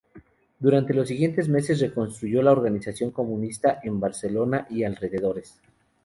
Durante los siguientes meses reconstruyó la organización comunista en Barcelona y alrededores.